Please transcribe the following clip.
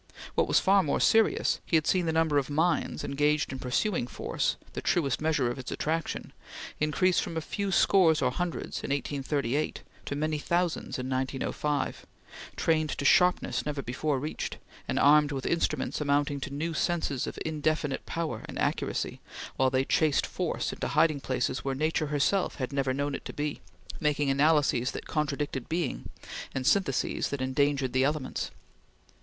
What was far more serious, he had seen the number of minds, engaged in pursuing force the truest measure of its attraction increase from a few scores or hundreds, in 1838, to many thousands in 1905, trained to sharpness never before reached, and armed with instruments amounting to new senses of indefinite power and accuracy, while they chased force into hiding places where Nature herself had never known it to be, making analyses that contradicted being, and syntheses that endangered the elements.